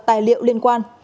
tài liệu liên quan